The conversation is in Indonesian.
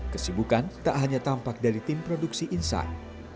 kesibukan tak hanya tampak dari tim produksi insan